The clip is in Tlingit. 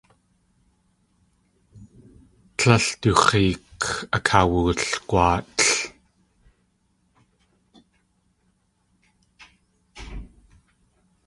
Tlél du x̲eek akawulgwaatl.